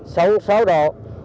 sóng sáo đỏ